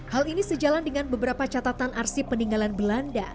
hal ini sejalan dengan beberapa catatan arsip peninggalan belanda